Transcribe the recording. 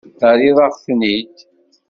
Terriḍ-aɣ-ten-id.